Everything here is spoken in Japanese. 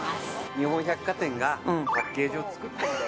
日本百貨店がパッケージを作ってるんだよ。